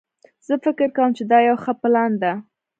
زه فکر کوم چې دا یو ښه پلان ده